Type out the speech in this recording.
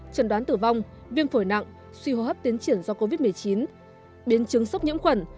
trần đoán tử vong viêm phổi nặng suy hô hấp tiến triển do covid một mươi chín biến chứng sốc nhiễm khuẩn